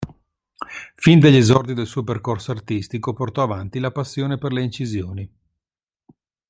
Fin dagli esordi del suo percorso artistico portò avanti la passione per le incisioni.